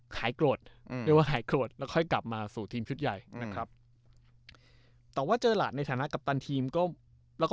หายโกรธจบกลับไปยกกำลังกลาง